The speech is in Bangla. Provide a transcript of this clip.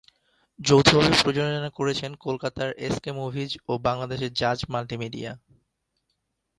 যৌথভাবে প্রযোজনা করেছেন কলকাতার এসকে মুভিজ ও বাংলাদেশের জাজ মাল্টিমিডিয়া।